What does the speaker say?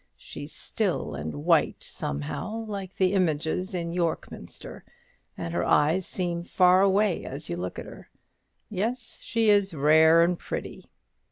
She's still and white, somehow, like the images in York Minster; and her eyes seem far away as you look at her. Yes, she is rare an' pretty."